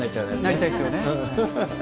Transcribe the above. なりたいですよね。